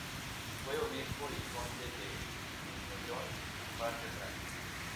Fue obispo y conde de Noyon y Par de Francia.